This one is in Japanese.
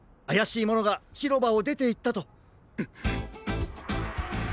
あやしいものがひろばをでていったと。